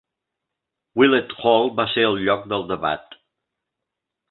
Willett Hall va ser el lloc del debat.